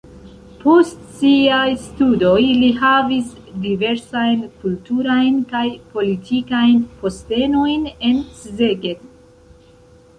Post siaj studoj li havis diversajn kulturajn kaj politikajn postenojn en Szeged.